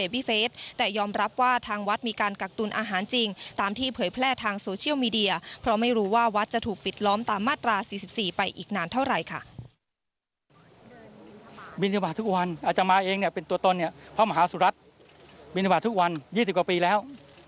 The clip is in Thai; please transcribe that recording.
บินทบาททุกวันอาจจะมาเองเนี่ยเป็นตัวตนเนี่ยพระมหาสุรัตน์บินทบาททุกวัน๒๐กว่าปีแล้ว